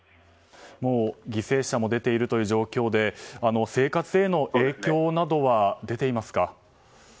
もう犠牲者も出ている状況で生活への影響などは出ていますか。